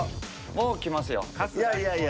もうきますよ。